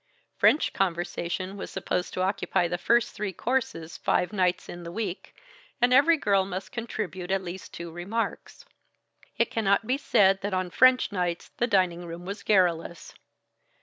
French conversation was supposed to occupy the first three courses five nights in the week, and every girl must contribute at least two remarks. It cannot be said that on French nights the dining room was garrulous.